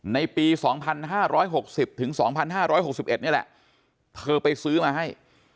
ในปี๒๕๖๐ถึง๒๕๖๑นี่แหละเธอไปซื้อมาให้